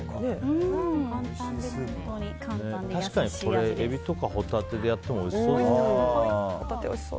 確かにエビとかホタテでやってもおいしそうですね。